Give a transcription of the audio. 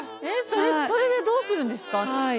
それでどうするんですか？